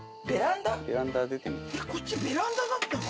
こっちベランダだったの？